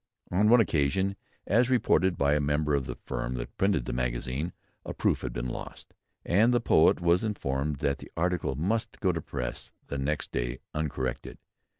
On one occasion, as reported by a member of the firm that printed the magazine, a proof had been lost, and the poet was informed that the article must go to press next day uncorrected.